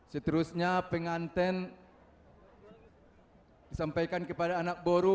seterusnya penganten disampaikan kepada anak boru